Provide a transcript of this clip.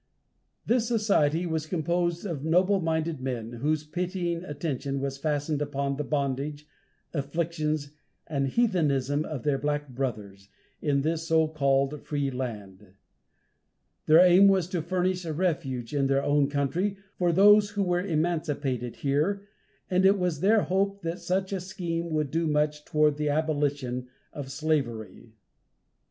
This society was composed of noble minded men whose pitying attention was fastened upon the bondage, afflictions and heathenism of their black brothers, in this so called free land. Their aim was to furnish a refuge, in their own country, for those who were emancipated here, and it was their hope that such a scheme would do much toward the abolition of slavery.